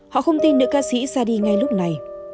họ không tin nữ ca sĩ ra đi ngay lúc này